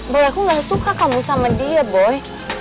boy aku gak suka kamu sama dia boy